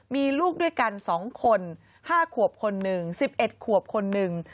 มีลูกด้วยกัน๒คน๕ขวบคนหนึ่ง๑๑ขวบคนหนึ่ง